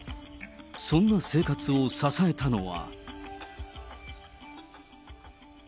そんな生活を支えたのは。